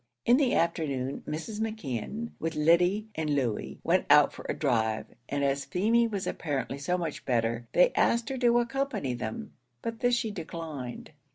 In the afternoon Mrs. McKeon, with Lyddy and Louey, went out for a drive, and as Feemy was apparently so much better, they asked her to accompany them, but this she declined.